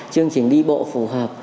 chương trình đi bộ phù hợp